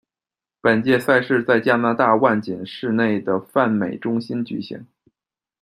本届赛事在加拿大万锦市内的泛美中心举行。